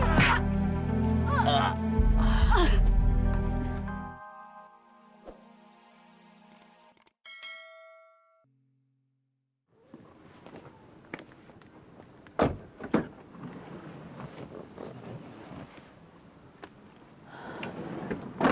ada di sini